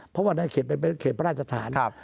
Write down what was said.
เพราะว่าในเขตเป็นเขตพระราชฐาน